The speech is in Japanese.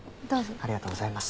ありがとうございます。